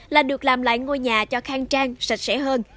là được làm lại ngôi nhà cho khang trang sạch sẽ hơn